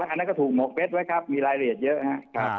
อันนั้นก็ถูกหมกเม็ดมาเพื่อครับมีรายละเอียดเยอะ